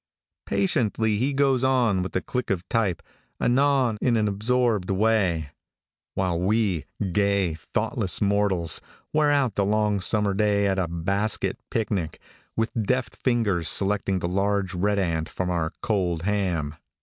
Patiently he goes on with the click of type, anon in an absorbed way, while we, gay, thoughtless mortals, wear out the long summer day at a basket picnic, with deft fingers selecting the large red ant from our cold ham.